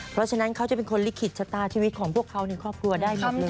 เพราะฉะนั้นเขาจะเป็นคนลิขิตชะตาชีวิตของพวกเขาในครอบครัวได้หมดเลย